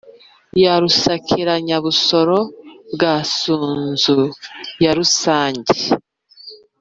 ya rusakiranya-busoro bwa sunzu, ya rusage.